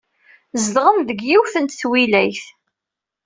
Zedɣen deg yiwet n twilayt.